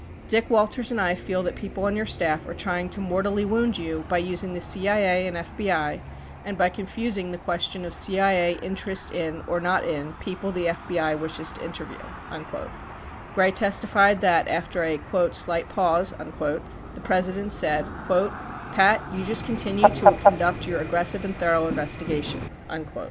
Dick Walters and I feel that people on your staff are try ing to mortally wound you by using the CIA and FBI and by confusing the question of CIA interest in, or not in, people the FBI wishes to interview. Gray testified that after a "slight pause," the President said : Pat, you just continue to conduct your aggressive and thorough investigation. 38 9 Hearings. 3410 . 39 3 Hearings 945 46 .